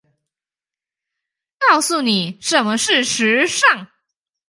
告訴妳什麼是時尚